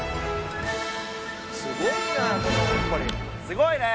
すごいね。